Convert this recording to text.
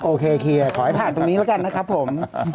โอเคขอให้ผ่านตรงนี้แล้วกันนะครับผม